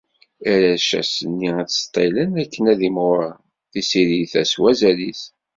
Arrac ass-nni i ttseṭṭilen akken ad imɣuren, tisirit-a s wazal-is.